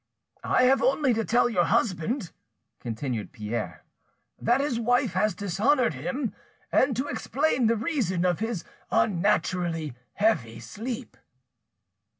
"I have only to tell your husband," continued Pierre, "that his wife has dishonoured him, and to explain the reason of his unnaturally heavy sleep."